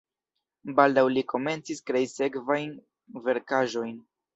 Baldaŭ li komencis krei sekvajn verkaĵojn.